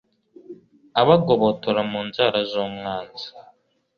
abagobotora mu nzara z’umwanzi